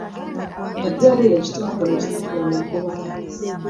Eddwaliro kitongole ekitakola magoba.